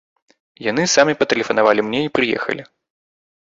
Яны самі патэлефанавалі мне і прыехалі.